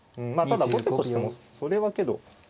ただ後手としてもそれはけど。